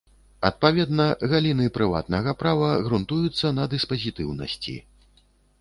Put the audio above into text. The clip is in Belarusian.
Адпаведна, галіны прыватнага права грунтуюцца на дыспазітыўнасці.